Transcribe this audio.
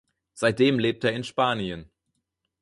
Seitdem lebt er in Spanien.